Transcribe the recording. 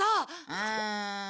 うん。